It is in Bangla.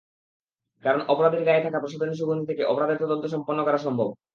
কারণ, অপরাধীর গায়ে থাকা প্রসাধনীর সুগন্ধি থেকে অপরাধের তদন্ত সম্পন্ন করা সম্ভব।